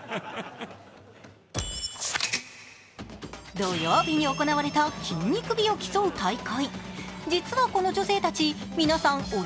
土曜日に行われた筋肉美を競う大会。